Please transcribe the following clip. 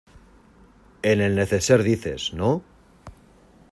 en el neceser dices, ¿ no?